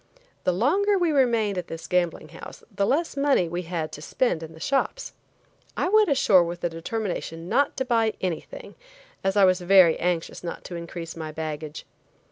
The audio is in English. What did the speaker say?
The longer we remained at this gambling house the less money we had to spend in the shops. I went ashore with the determination not to buy anything as I was very anxious not to increase my baggage.